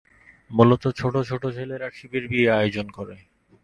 মূলত ছোট ছোট ছেলেরা শিবের বিয়ের আয়োজন করে।